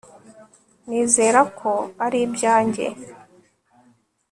nizera ko ari ibyanjye